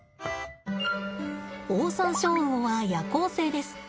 オオサンショウウオは夜行性です。